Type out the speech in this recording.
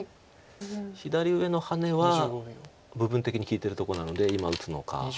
左上のハネは部分的に利いてるとこなので今打つのか。